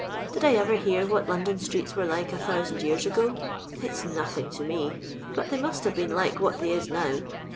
Did I ever hear what Iiondon streets were like a thousand yean ago] It's nothing to me, but they must have been like what they is now.